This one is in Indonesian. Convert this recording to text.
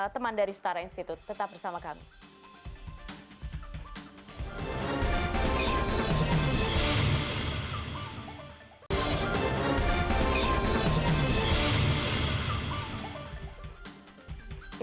teman dari setara institute tetap bersama kami